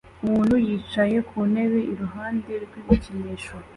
Umuntu yicaye ku ntebe iruhande rw'ibikinisho